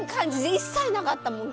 一切なかったもん。